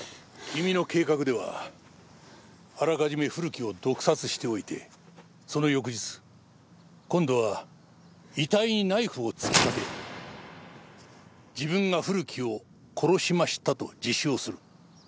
君の計画ではあらかじめ古木を毒殺しておいてその翌日今度は遺体にナイフを突き立て自分が古木を殺しましたと自首をする。